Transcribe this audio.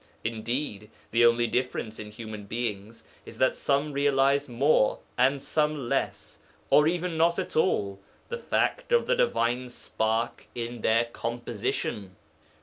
Indeed, the only difference in human beings is that some realize more, and some less, or even not at all, the fact of the divine spark in their composition.